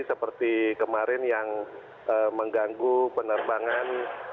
seperti kemarin yang mengganggu penerbangan